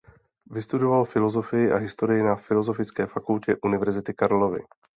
Vystudoval filosofii a historii na Filozofické fakultě Univerzity Karlovy.